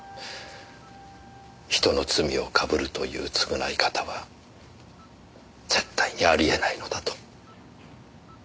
人の罪をかぶるという償い方は絶対にありえないのだと。